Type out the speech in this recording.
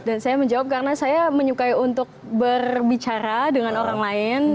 dan saya menjawab karena saya menyukai untuk berbicara dengan orang lain